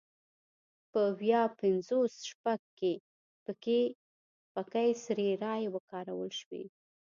په ویا پینځوس شپږ کې پکې سري رایې وکارول شوې.